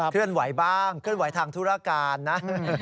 เคลื่อนไหวบ้างเคลื่อนไหวทางธุรการนะ